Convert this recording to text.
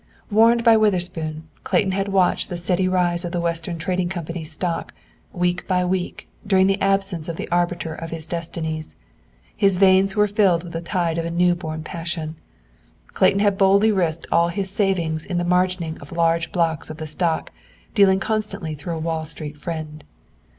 Warned by Witherspoon, Clayton had watched the steady rise of the Western Trading Company's stock, week by week, during the absence of the arbiter of its destinies. His veins were filled with the tide of a new born passion. Clayton had boldly risked all his savings in the margining of large blocks of the stock, dealing constantly through a Wall Street friend.